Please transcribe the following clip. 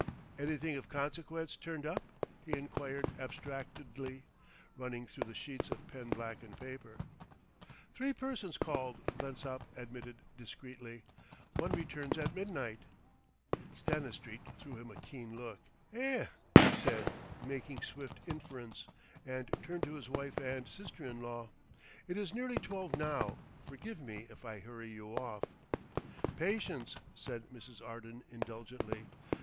"Anything of consequence turned up?" he enquired abstractedly, running through the sheets of pen blackened paper. "Three persons called," Blensop admitted discreetly. "One returns at midnight." Stanistreet threw him a keen look. "Eh!" he said, making swift inference, and turned to his wife and sister in law. "It is nearly twelve now. Forgive me if I hurry you off." "Patience," said Mrs. Arden indulgently.